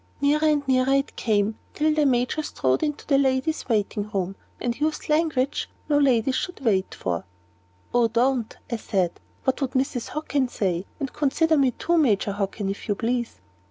Nearer and nearer it came, till the Major strode into the "ladies' waiting room," and used language no ladies should wait for. "Oh, don't!" I said; "what would Mrs. Hockin say? And consider me too, Major Hockin, if you please."